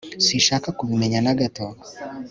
Sinshaka kubimenya nagato